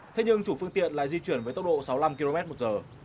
thế nhưng chủ phương tiện lại di chuyển với tốc độ sáu mươi năm km một giờ